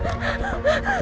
serahin dia dulu